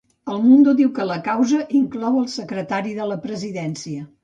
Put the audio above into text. El Mundo diu que la causa inclou al secretari de la Presidència